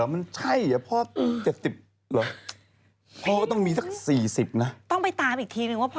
ไม่ได้มีการเล่า